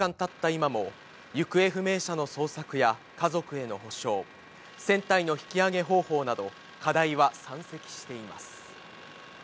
今も、行方不明者の捜索や家族への補償、船体の引き揚げ方法など、課題は山積しています。